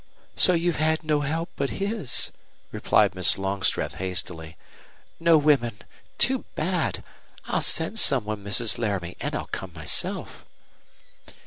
So you've had no help but his," replied Miss Longstreth, hastily. "No women. Too bad! I'll send some one, Mrs. Laramie, and I'll come myself."